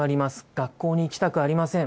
学校に行きたくありません。